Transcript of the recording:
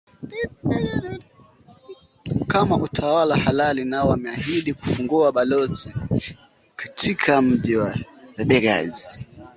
kama utawala halali na wameahidi kufungua balozi katika mji wa bigaz